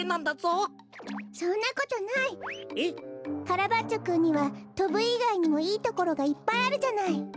カラバッチョくんにはとぶいがいにもいいところがいっぱいあるじゃない。